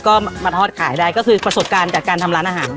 ก็มาทอดขายได้ก็คือประสบการณ์จากการทำร้านอาหาร